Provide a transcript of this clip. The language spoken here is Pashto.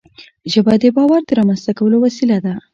ژبه د باور د رامنځته کولو وسیله ده